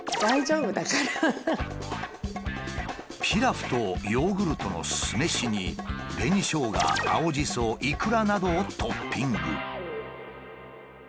ピラフとヨーグルトの酢飯に紅しょうが青じそイクラなどをトッピング。